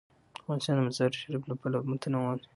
افغانستان د مزارشریف له پلوه متنوع دی.